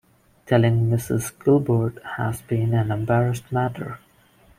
Telling Mrs. Gilbert had been an embarrassed matter.